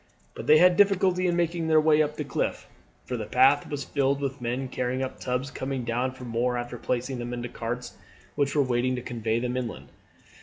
But they had difficulty in making their way up the cliff, for the path was filled with men carrying up tubs or coming down for more after placing them in the carts, which were waiting to convey them inland.